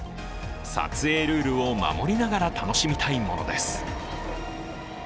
撮影ルールを守りながら楽しみたいものです。